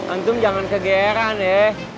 antum jangan kegeran ya